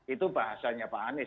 itu bahasanya pak anies